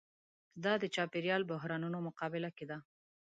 دا د چاپېریال بحرانونو مقابله کې ده.